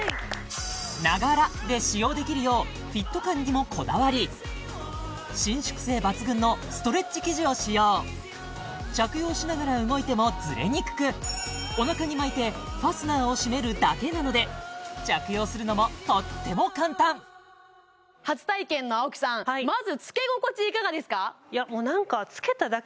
ながらで使用できるようフィット感にもこだわり伸縮性抜群のストレッチ生地を使用着用しながら動いてもずれにくくお腹に巻いてファスナーを閉めるだけなので着用するのもとっても簡単初体験の青木さんまず着け心地いかがですか？